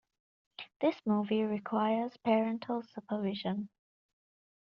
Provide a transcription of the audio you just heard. This movie requires parental supervision.